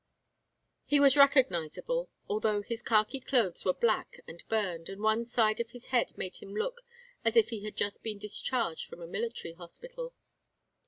He was recognizable, although his khaki clothes were black and burned, and one side of his head made him look as if he had just been discharged from a military hospital.